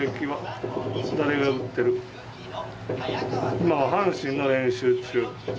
今は阪神の練習中。